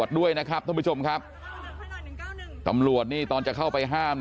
ด้วยนะครับท่านผู้ชมครับตำรวจนี่ตอนจะเข้าไปห้าม